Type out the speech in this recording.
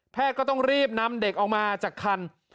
แพทย์ก็ต้องรีบนำเด็กออกมาจากครรภ์